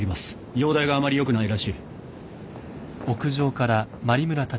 容体があまりよくないらしい。